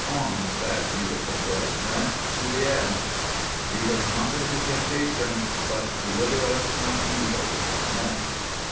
On that beautiful voice went to the end: "_And lead us not into temptation; but deliver us from evil. Amen.